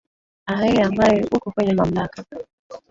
aeh ambaye uko kwenye mamlaka